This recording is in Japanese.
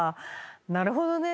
なるほどね。